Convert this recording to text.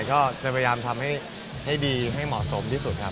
ก็จะพยายามทำให้ดีให้เหมาะสมที่สุดครับ